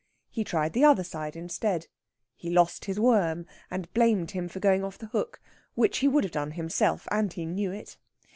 He tried the other side instead. He lost his worm, and blamed him for going off the hook which he would have done himself, and he knew it!